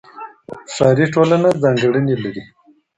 ښاري ټولنه ځانګړنې لري.